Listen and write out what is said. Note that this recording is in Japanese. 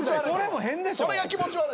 それが気持ち悪い。